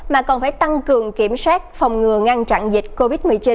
mà còn phải tăng cường kiểm soát phòng ngừa ngăn chặn dịch covid một mươi chín